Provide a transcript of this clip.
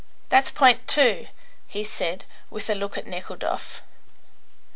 That's point two," he said, with a look at Nekhludoff.